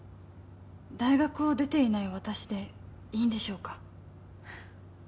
大学を出ていない私でいいんでしょうか？